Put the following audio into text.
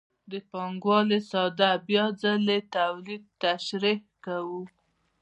د پانګوالۍ ساده بیا ځلي تولید تشریح کوو